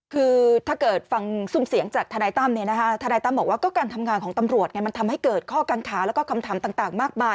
คือถ้าเกิดฟังซุ่มเสียงจากทนายตั้มเนี่ยนะคะทนายตั้มบอกว่าก็การทำงานของตำรวจมันทำให้เกิดข้อกังขาแล้วก็คำถามต่างมากมาย